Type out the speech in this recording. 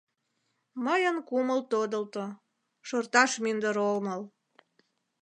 Мыйын кумыл тодылто, шорташ мӱндыр омыл.